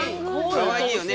かわいいよね。